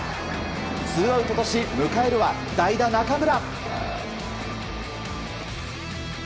ツーアウトとし、迎えるは代打・中村。